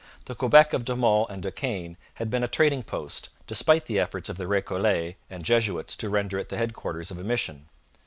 The Quebec of De Monts and De Caen had been a trading post, despite the efforts of the Recollets and Jesuits to render it the headquarters of a mission.